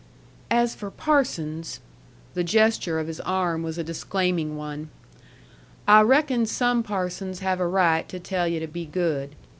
"As for parsons " the gesture of his arm was a disclaiming one "I reckon some parsons have a right to tell yu' to be good.